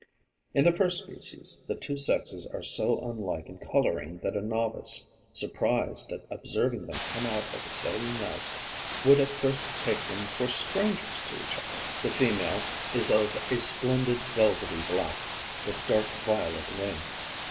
In the first species the two sexes are so unlike in colouring that a novice, surprised at observing them come out of the same nest, would at first take them for strangers to each other. The female is of a splendid velvety black, with dark violet wings.